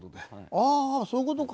ああそういう事か。